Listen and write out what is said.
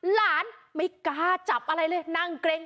หลานไม่กล้าจับอะไรเลยนั่งเกร็ง